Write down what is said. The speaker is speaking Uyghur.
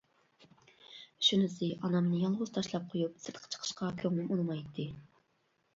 شۇنىسى ئانامنى يالغۇز تاشلاپ قويۇپ سىرتقا چىقىشقا كۆڭلۈم ئۇنىمايتتى.